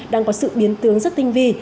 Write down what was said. đang có sự biến tướng rất tinh vi